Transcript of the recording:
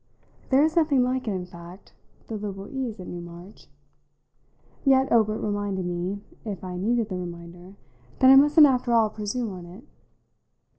There is nothing like it in fact, the liberal ease at Newmarch. Yet Obert reminded me if I needed the reminder that I mustn't after all presume on it.